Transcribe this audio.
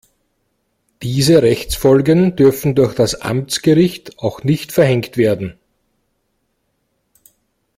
Diese Rechtsfolgen dürfen durch das Amtsgericht auch nicht verhängt werden.